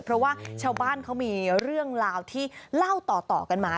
เพราะว่าชาวบ้านเขามีเรื่องราวที่เล่าต่อกันมา